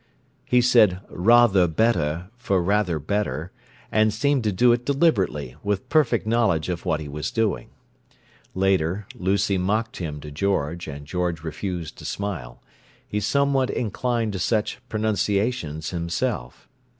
He said "rahthuh bettuh" for "rather better," and seemed to do it deliberately, with perfect knowledge of what he was doing. Later, Lucy mocked him to George, and George refused to smile: he somewhat inclined to such pronunciations, himself.